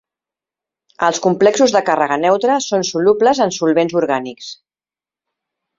Es complexos de càrrega neutra són solubles en solvents orgànics.